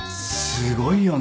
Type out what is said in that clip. すごいよね。